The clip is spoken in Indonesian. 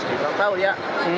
gak tahu ya